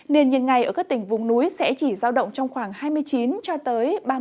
nền nhiệt ngày ở các tỉnh vùng núi sẽ chỉ giao động trong khoảng hai mươi chín ba mươi độ